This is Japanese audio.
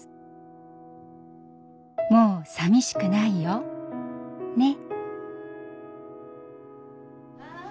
「もうさみしくないよネ！」。